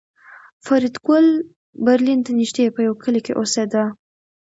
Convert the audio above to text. فریدګل برلین ته نږدې په یوه کلي کې اوسېده